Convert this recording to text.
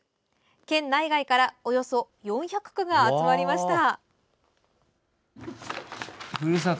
県内外からおよそ４００句が集まりました。